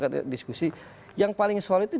tadi diskusi yang paling solid itu